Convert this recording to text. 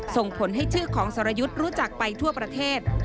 ส่งผลให้ชื่อของสรยุทธ์รู้จักไปทั่วประเทศ